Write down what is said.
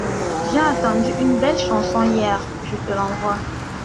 J'ai entendu une belle chanson hier, je te l'envoie.